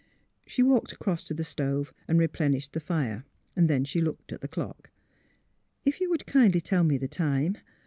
She walked across to the stove and replenished the fire. Then she looked at the clock. " If you would kindly tell me the time.